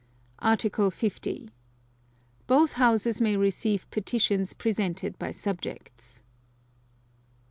Article 50. Both Houses may receive petitions presented by subjects.